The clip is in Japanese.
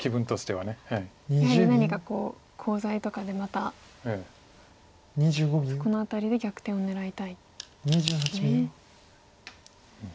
やはり何かコウ材とかでまたそこの辺りで逆転を狙いたいんですね。